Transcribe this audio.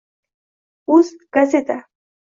uz, Gazeta